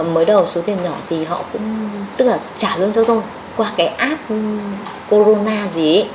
mới đầu số tiền nhỏ thì họ cũng tức là trả luôn cho tôi qua cái app corona gì ấy